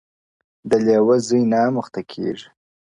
• د لېوه زوی نه اموخته کېږي -